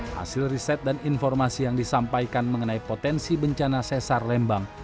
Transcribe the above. hasil riset dan informasi yang disampaikan mengenai potensi bencana sesar lembang